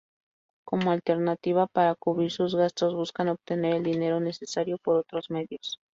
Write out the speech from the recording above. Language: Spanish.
Como alternativa para cubrir sus gastos buscan obtener el dinero necesario por otros medios.